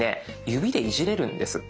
指でいじれるんです。